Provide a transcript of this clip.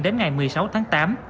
đến ngày một mươi sáu tháng tám